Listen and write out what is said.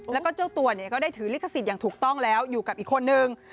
แล้วก็เจ้าตัวเนี่ยก็ได้ถือลิขสิทธิ์อย่างถูกต้องแล้วอยู่กับอีกคนนึง